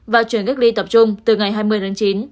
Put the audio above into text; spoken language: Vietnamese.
và chuyển cách ly tập trung từ ngày hai mươi tháng chín